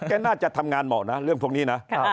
น่าจะทำงานเหมาะนะเรื่องพวกนี้นะ